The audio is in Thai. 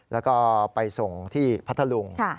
แล้วก็ไปส่งที่พัทลุงค์ใช่ค่ะ